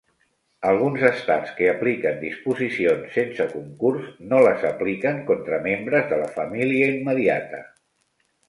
Alguns Estats que apliquen disposicions sense concurs, no les apliquen contra membres de la família immediata.